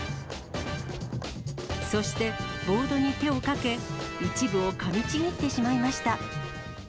そして、ボードに手をかけ、一部をかみちぎってしまいました。